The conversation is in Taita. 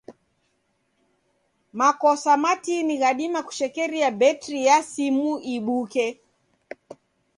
Makosa matini ghadima kushekeria betri ya simu ibuke.